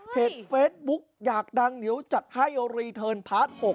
เฟซบุ๊กอยากดังเดี๋ยวจัดให้รีเทิร์นพาร์ท๖